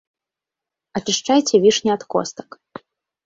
Ачышчайце вішні ад костак.